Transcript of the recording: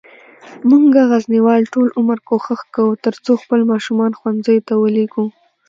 مونږه غزنیوال ټول عمر کوښښ کووه ترڅوخپل ماشومان ښوونځیوته ولیږو